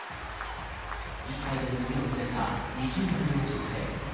１歳の娘を連れた２０代の女性。